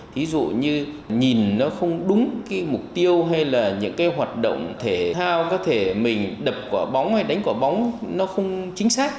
thí dụ như nhìn nó không đúng cái mục tiêu hay là những cái hoạt động thể thao có thể mình đập quả bóng hay đánh quả bóng nó không chính xác